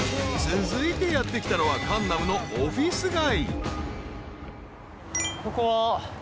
［続いてやって来たのは江南のオフィス街］